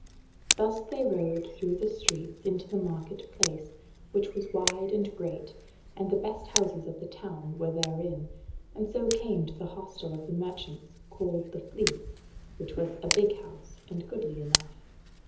Thus they rode through the streets into the market place, which was wide and great, and the best houses of the town were therein, and so came to the hostel of the Merchants, called the Fleece, which was a big house, and goodly enough.